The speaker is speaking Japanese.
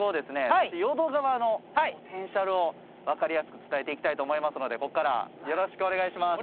そして淀川のポテンシャルを分かりやすく伝えていきたいと思いますのでここからよろしくお願いします。